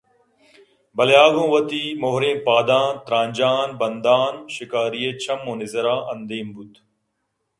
بلے آ گوں وتی مُہریں پاداں ترٛانجاں بندان شکاری ئِے چمّ ءُ نظراں اندیم بُوت